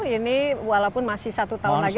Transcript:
ini walaupun masih satu tahun lagi